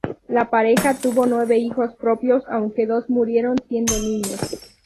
La pareja tuvo nueve hijos propios, aunque dos murieron siendo niños.